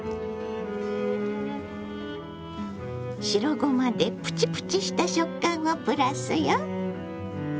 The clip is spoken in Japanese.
白ごまでプチプチした食感をプラスよ。